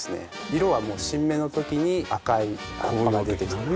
色はもう新芽の時に赤い葉っぱが出てきて。